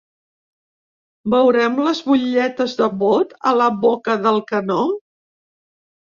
Veurem les butlletes de vot a la boca del canó?